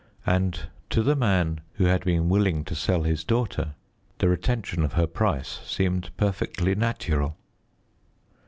And to the man who had been willing to sell his daughter, the retention of her price seemed perfectly natural.